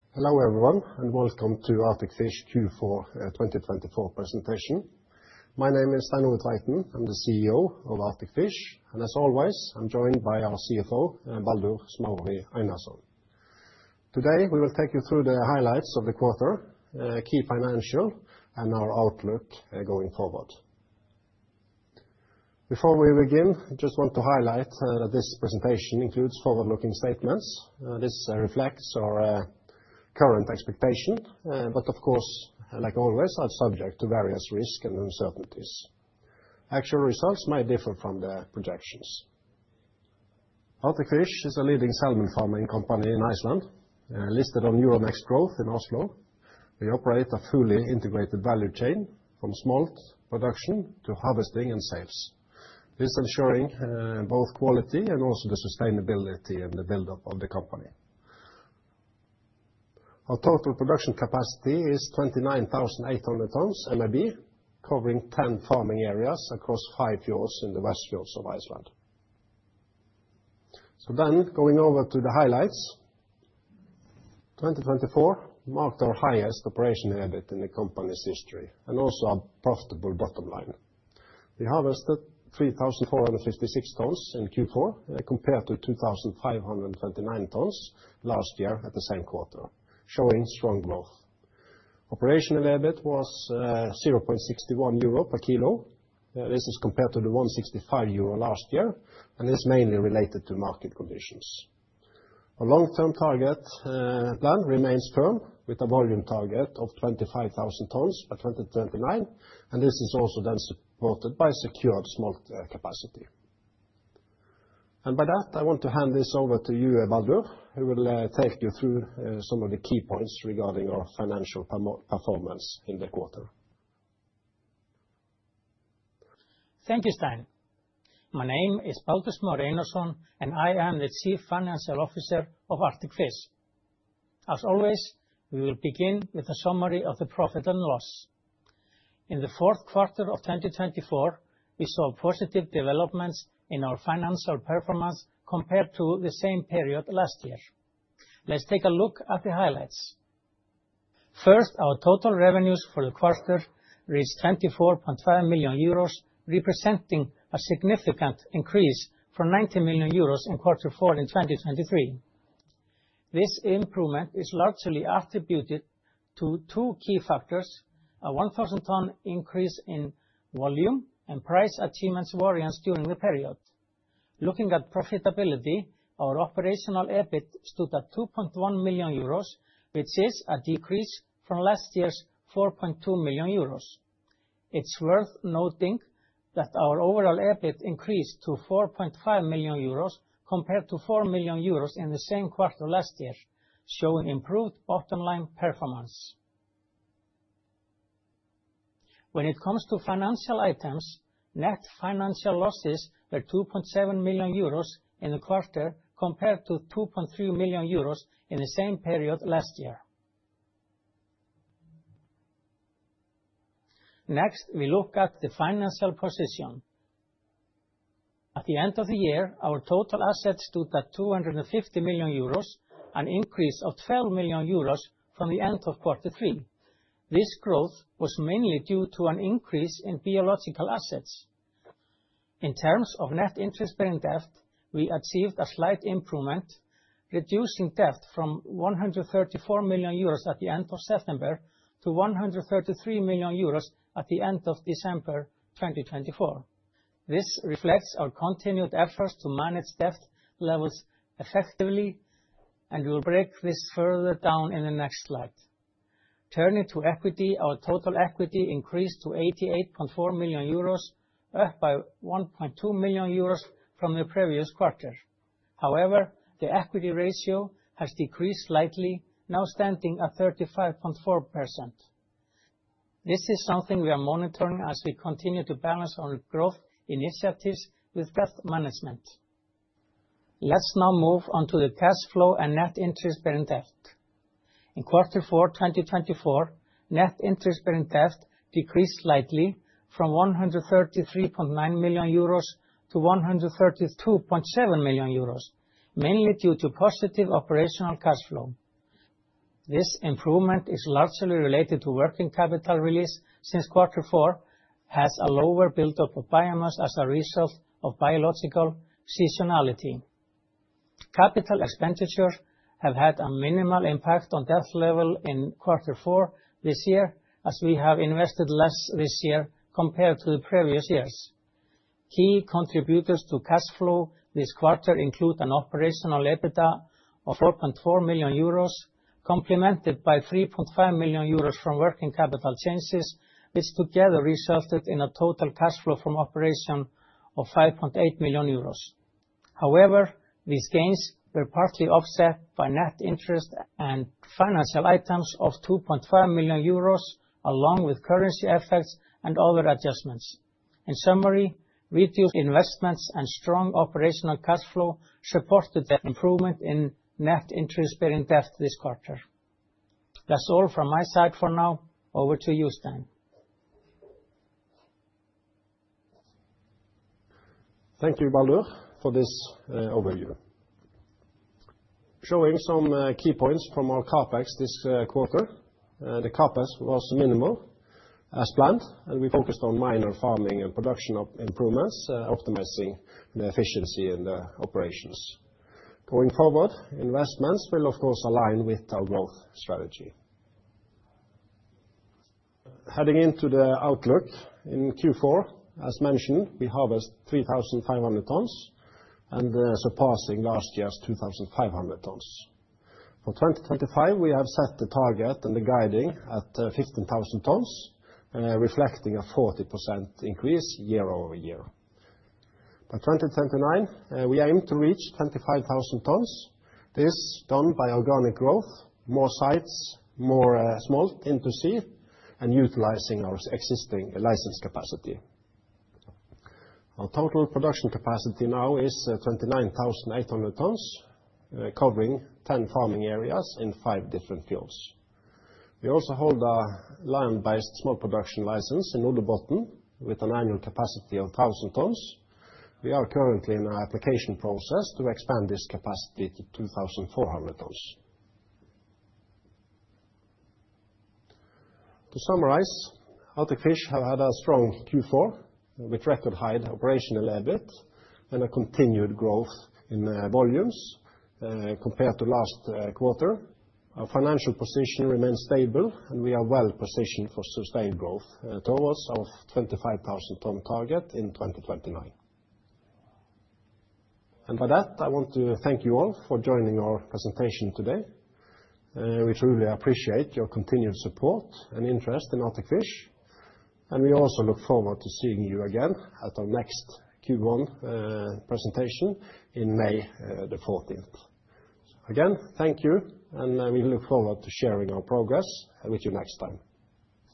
Hello everyone, and welcome to Arctic Fish Q4 2024 presentation. My name is Stein Ove Tveiten, I'm the CEO of Arctic Fish, and as always, I'm joined by our CFO, Baldur Smári Einarsson. Today, we will take you through the highlights of the quarter, key financials, and our outlook going forward. Before we begin, I just want to highlight that this presentation includes forward-looking statements. This reflects our current expectation, but of course, like always, I'm subject to various risks and uncertainties. Actual results may differ from the projections. Arctic Fish is a leading salmon farming company in Iceland, listed on Euronext Growth Oslo. We operate a fully integrated value chain, from smolt production to harvesting and sales. This ensures both quality and also the sustainability and the build-up of the company. Our total production capacity is 29,800 tons MAB, covering 10 farming areas across five fjords in the Westfjords of Iceland. Going over to the highlights, 2024 marked our highest operational EBIT in the company's history and also a profitable bottom line. We harvested 3,456 tons in Q4, compared to 2,529 tons last year at the same quarter, showing strong growth. Operational EBIT was 0.61 euro per kilo. This is compared to the 1.65 euro last year, and it is mainly related to market conditions. Our long-term target plan remains firm, with a volume target of 25,000 tons by 2029, and this is also then supported by secured smolt capacity. By that, I want to hand this over to you, Baldur, who will take you through some of the key points regarding our financial performance in the quarter. Thank you, Stein. My name is Baldur Smári Einarsson, and I am the Chief Financial Officer of Arctic Fish. As always, we will begin with a summary of the profit and loss. In the fourth quarter of 2024, we saw positive developments in our financial performance compared to the same period last year. Let's take a look at the highlights. First, our total revenues for the quarter reached 24.5 million euros, representing a significant increase from 9.0 million euros in quarter four in 2023. This improvement is largely attributed to two key factors: a 1,000-ton increase in volume and price achievements variance during the period. Looking at profitability, our operational EBIT stood at 2.1 million euros, which is a decrease from last year's 4.2 million euros. It's worth noting that our overall EBIT increased to 4.5 million euros compared to 4 million euros in the same quarter last year, showing improved bottom-line performance. When it comes to financial items, net financial losses were 2.7 million euros in the quarter compared to 2.3 million euros in the same period last year. Next, we look at the financial position. At the end of the year, our total assets stood at 250 million euros, an increase of 12 million euros from the end of quarter three. This growth was mainly due to an increase in biological assets. In terms of net interest-bearing debt, we achieved a slight improvement, reducing debt from 134 million euros at the end of September to 133 million euros at the end of December 2024. This reflects our continued efforts to manage debt levels effectively, and we will break this further down in the next slide. Turning to equity, our total equity increased to 88.4 million euros, up by 1.2 million euros from the previous quarter. However, the equity ratio has decreased slightly, now standing at 35.4%. This is something we are monitoring as we continue to balance our growth initiatives with debt management. Let's now move on to the cash flow and net interest-bearing debt. In quarter four 2024, net interest-bearing debt decreased slightly from 133.9 million euros to 132.7 million euros, mainly due to positive operational cash flow. This improvement is largely related to working capital release since quarter four has a lower build-up of biomass as a result of biological seasonality. Capital expenditures have had a minimal impact on debt level in quarter four this year, as we have invested less this year compared to the previous years. Key contributors to cash flow this quarter include an operational EBITDA of 4.4 million euros, complemented by 3.5 million euros from working capital changes, which together resulted in a total cash flow from operation of 5.8 million euros. However, these gains were partly offset by net interest and financial items of 2.5 million euros, along with currency effects and other adjustments. In summary, reduced investments and strong operational cash flow supported the improvement in net interest-bearing debt this quarter. That's all from my side for now. Over to you, Stein. Thank you, Baldur, for this overview. Showing some key points from our CAPEX this quarter. The CAPEX was minimal as planned, and we focused on minor farming and production improvements, optimizing the efficiency in the operations. Going forward, investments will, of course, align with our growth strategy. Heading into the outlook in Q4, as mentioned, we harvest 3,500 tons and surpassing last year's 2,500 tons. For 2025, we have set the target and the guiding at 15,000 tons, reflecting a 40% increase year over year. By 2029, we aim to reach 25,000 tons. This is done by organic growth, more sites, more smolt interests, and utilizing our existing license capacity. Our total production capacity now is 29,800 tons, covering 10 farming areas in five different fjords. We also hold a land-based smolt production license in Norðurbotn, with an annual capacity of 1,000 tons. We are currently in an application process to expand this capacity to 2,400 tons. To summarize, Arctic Fish have had a strong Q4 with record-high operational EBIT and a continued growth in volumes compared to last quarter. Our financial position remains stable, and we are well positioned for sustained growth towards our 25,000-ton target in 2029. I want to thank you all for joining our presentation today. We truly appreciate your continued support and interest in Arctic Fish, and we also look forward to seeing you again at our next Q1 presentation on May the 14th. Again, thank you, and we look forward to sharing our progress with you next time.